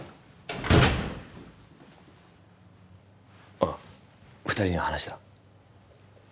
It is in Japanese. あっ二人には話した？